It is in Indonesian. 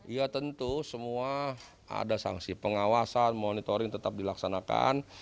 ya tentu semua ada sanksi pengawasan monitoring tetap dilaksanakan